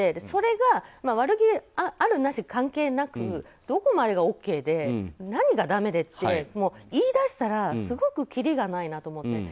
それが悪気があるなし関係なくどこまでがＯＫで何がダメでって言い出したらすごくきりがないなと思って。